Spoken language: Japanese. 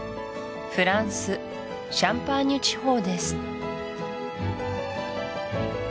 フランスシャンパーニュ地方です